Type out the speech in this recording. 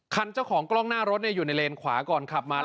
เจ้าของกล้องหน้ารถอยู่ในเลนขวาก่อนขับมา